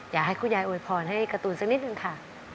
อยากให้คุณยายอวยพรให้การ์ตูนสักนิดนึงค่ะ